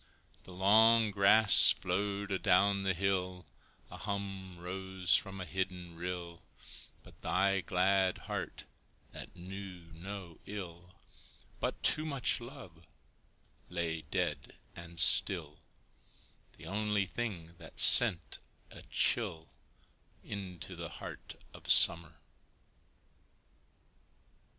The long grass flowed adown the hill, A hum rose from a hidden rill, But thy glad heart, that knew no ill But too much love, lay dead and still The only thing that sent a chill Into the heart of summer.